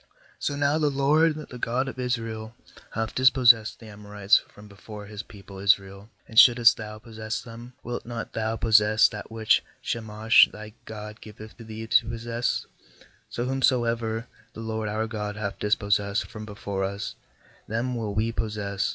^So now the LOED, the God of Israel, hath dis the Amorites from before people Israel, and shouldest thou 309 11 23 JUDGES possess them? ^Wilt not thou possess that which Chemosh thy god giveth thee to possess? So whomsoever the LORD our God hath dispossessed from before us, them will we possess.